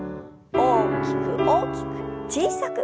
大きく大きく小さく。